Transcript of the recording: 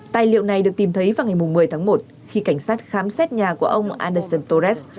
tài liệu này được tìm thấy vào ngày một mươi tháng một khi cảnh sát khám xét nhà của ông anderson torres